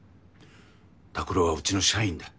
拓郎はうちの社員だ。